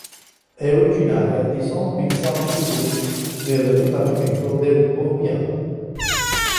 È originaria di Saint-Vincent-sur-Oust nel dipartimento del Morbihan.